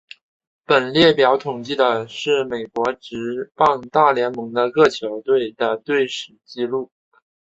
本列表统计的是美国职棒大联盟的各球队的队史纪录。